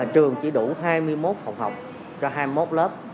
trường chỉ đủ hai mươi một phòng học cho hai mươi một lớp